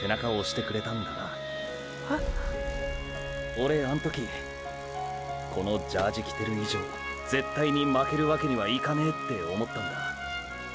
オレあん時このジャージ着てる以上絶対に負けるわけにはいかねェって思ったんだ。